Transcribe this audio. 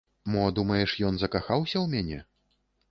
Мо, думаеш, ён закахаўся ў мяне?